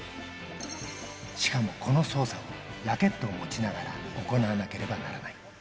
しかもこの操作を、ラケットを持ちながら行わなければならない。